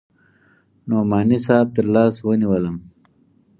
نعماني صاحب تر لاس ونيولم.